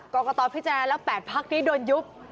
กรกฎศพิจารณาและ๘พักที่โดนยุบ